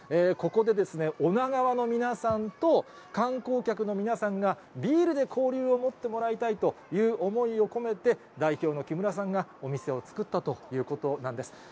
ここで、女川の皆さんと、観光客の皆さんが、ビールで交流を持ってもらいたいという思いを込めて、代表のきむらさんがお店を作ったということなんです。